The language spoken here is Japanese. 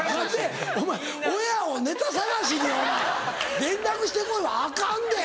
お前親をネタ探しに連絡して来いはアカンで！